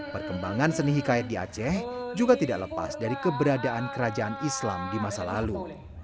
perkembangan seni hikayat di aceh juga tidak lepas dari keberadaan kerajaan islam di masa lalu